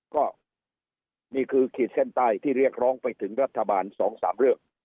ก็นี่คือขีดเส้นใต้ที่เรียกร้องไปถึงรัฐบาล๒๓เรื่อง